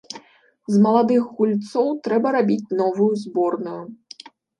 З маладых гульцоў трэба рабіць новую зборную.